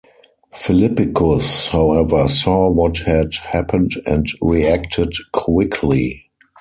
Philippicus, however, saw what had happened and reacted quickly.